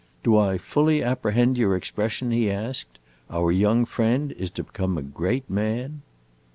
"Do I fully apprehend your expression?" he asked. "Our young friend is to become a great man?"